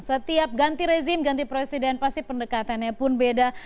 setiap ganti rezim ganti presiden pasti pendekatannya pun beda